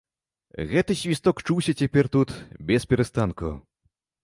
Гэты свісток чуўся цяпер тут бесперастанку.